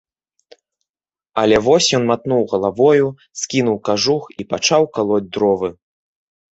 Але вось ён матнуў галавою, скінуў кажух і пачаў калоць дровы.